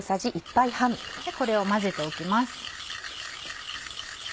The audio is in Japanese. これを混ぜておきます。